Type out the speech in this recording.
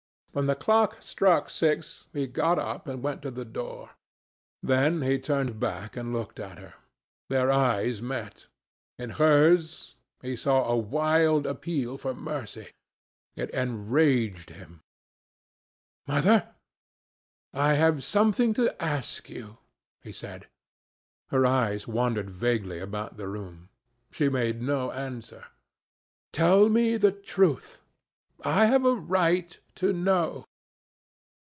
When the clock struck six, he got up and went to the door. Then he turned back and looked at her. Their eyes met. In hers he saw a wild appeal for mercy. It enraged him. "Mother, I have something to ask you," he said. Her eyes wandered vaguely about the room. She made no answer. "Tell me the truth. I have a right to know.